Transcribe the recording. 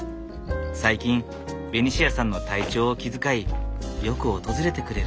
最近ベニシアさんの体調を気遣いよく訪れてくれる。